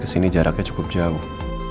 sini jaraknya cukup jauh